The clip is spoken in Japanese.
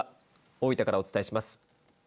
大分からお伝えします。